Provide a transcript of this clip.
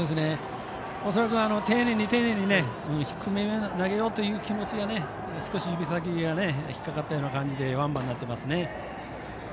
恐らく、丁寧に丁寧に低めに投げようという気持ちが、少し指先に引っかかったような感じでワンバウンドになっていますね。